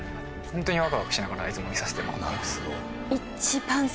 ホントにワクワクしながらいつも見させてもらってます。